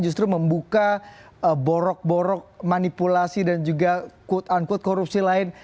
justru membuka borok borok manipulasi dan juga quote unquote korupsi lain